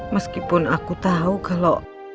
meskipun aku tahu kalau